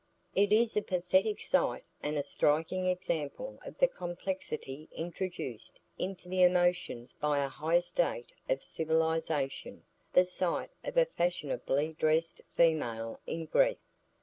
It is a pathetic sight and a striking example of the complexity introduced into the emotions by a high state of civilisation, the sight of a fashionably dressed female in grief.